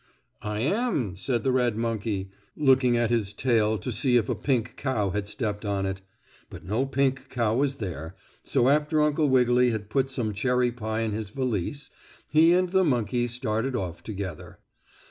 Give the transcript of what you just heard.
"I am," said the red monkey, looking at his tail to see if a pink cow had stepped on it. But no pink cow was there, so after Uncle Wiggily had put some cherry pie in his valise he and the monkey started off together.